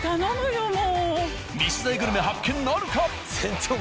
未取材グルメ発見なるか！？